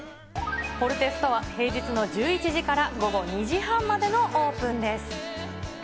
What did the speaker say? ポルテストア、平日の１１時から午後２時半までのオープンです。